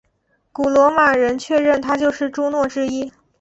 古罗马人确认她是朱诺之一。